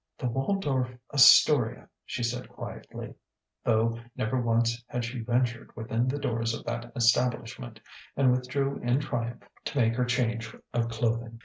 "The Waldorf Astoria," she said quietly though never once had she ventured within the doors of that establishment and withdrew in triumph to make her change of clothing.